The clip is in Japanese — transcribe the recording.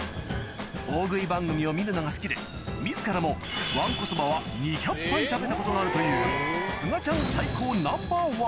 大食い番組を見るのが好きで自らもわんこそばは２００杯食べたことがあるという頑張れ！